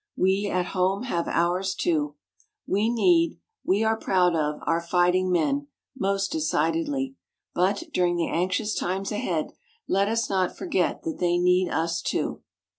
We at home have ours too. We need, we are proud of, our fighting men most decidedly. But, during the anxious times ahead, let us not forget that they need us too.